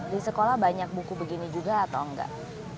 di sekolah banyak buku begini juga atau enggak